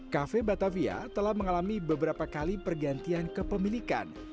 cafe batavia telah mengalami beberapa kali pergantian kepemilikan